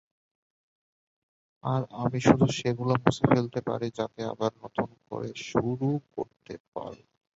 আর আমি শুধু সেগুলো মুছেই ফেলতে পারি যাতে আবার নতুন করে শুরু করতে পারো।